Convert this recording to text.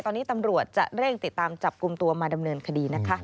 ตอนนี้ตำรวจจะเร่งติดตามจับกลุ่มตัวมาดำเนินคดีนะคะ